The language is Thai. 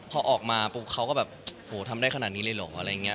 พอออกมาปุ๊บเขาก็แบบโหทำได้ขนาดนี้เลยเหรออะไรอย่างนี้